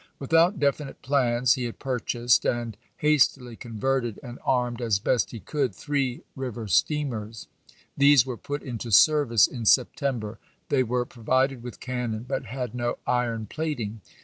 Without definite plans, he had purchased, and has tily converted and armed as best he could, three river steamers. These were put into service in September ; they were provided with cannon, but had no iron plating.